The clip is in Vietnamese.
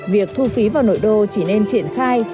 việc thu phí vào nội đô chỉ nên triển khai